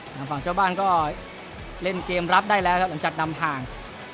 ทางฝั่งเจ้าบ้านก็เล่นเกมรับได้แล้วครับหลังจากนำห่าง